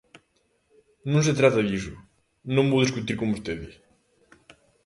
Non se trata diso, non vou discutir con vostede.